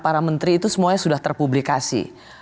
para menteri itu semuanya sudah terpublikasi